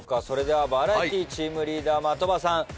それではバラエティチームリーダー的場さん